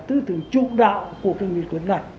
thứ thường trung đạo của cái nghị quyết này